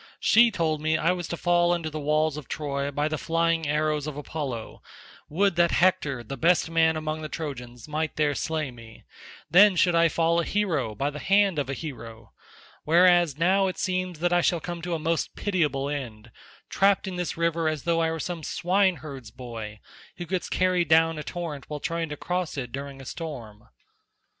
She told me I was to fall under the walls of Troy by the flying arrows of Apollo; would that Hector, the best man among the Trojans, might there slay me; then should I fall a hero by the hand of a hero; whereas now it seems that I shall come to a most pitiable end, trapped in this river as though I were some swineherd's boy, who gets carried down a torrent while trying to cross it during a storm."